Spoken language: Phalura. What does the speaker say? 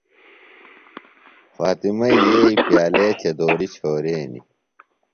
فاطمئی یئیی پیالے چدُوری چھورینیۡ۔